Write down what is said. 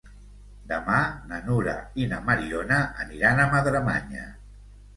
Demà na Nura i na Mariona aniran a Madremanya.